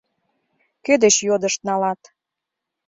Кӧ деч йодышт налат?